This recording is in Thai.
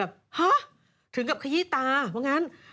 และผมก็คือแบบห๊ะถึงกับขยิตาเพราะงั้น